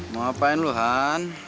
mau apain lu han